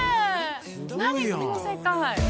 何この世界。